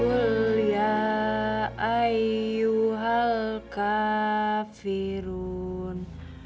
kulia ayuhal kafirun